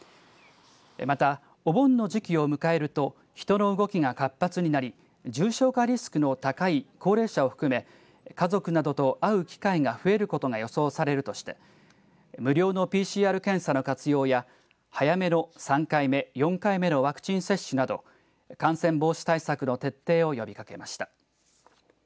また、お盆の時期を迎えると人の動きが活発になり重症化リスクの高い高齢者を含め、家族などと会う機会が増えることが予想されるとして無料のＰＣＲ検査の活用や早めの３回目４回目のワクチン接種など感染防止対策の徹底を呼びかけました。